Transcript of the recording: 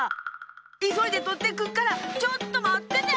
いそいでとってくっからちょっとまってて！